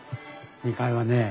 ２階はね